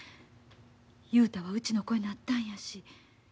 雄太はうちの子になったんやし。